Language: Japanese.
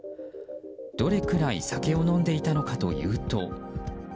どれくらい酒を飲んでいたのかというと。